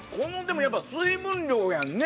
水分量やね。